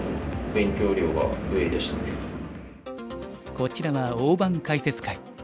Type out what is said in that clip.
こちらは大盤解説会。